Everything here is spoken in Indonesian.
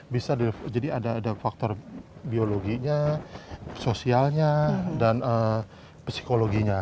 bisa jadi ada faktor biologinya sosialnya dan psikologinya